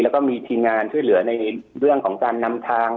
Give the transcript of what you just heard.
แล้วก็มีทีมงานช่วยเหลือในเรื่องของการนำทาง